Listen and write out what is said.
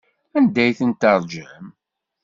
Anda ay tent-teṛjam?